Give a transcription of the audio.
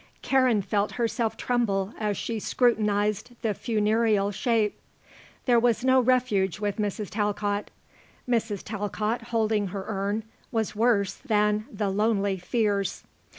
Karen felt herself tremble as she scrutinized the funereal shape. There was no refuge with Mrs. Talcott. Mrs. Talcott holding her urn was worse than the lonely fears.